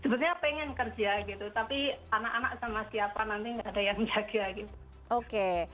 sebetulnya pengen kerja gitu tapi anak anak sama siapa nanti nggak ada yang jaga gitu oke